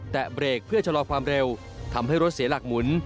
แต่เบรกเพื่อชะลอความเร็วทำให้รถเสียหลักหมุน